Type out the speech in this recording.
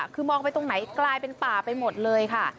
คือมองไปตรงไหนกลายเป็นป่าไปหมดเลยค่ะ